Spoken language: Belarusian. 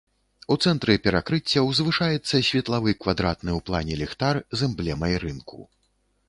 У цэнтры перакрыцця ўзвышаецца светлавы квадратны ў плане ліхтар з эмблемай рынку.